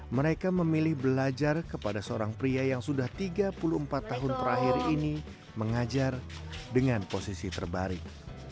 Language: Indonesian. mereka memilih belajar kepada seorang pria yang sudah tiga puluh empat tahun terakhir ini mengajar dengan posisi terbaring